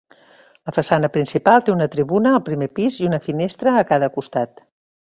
La façana principal té una tribuna al primer pis i una finestra a cada costat.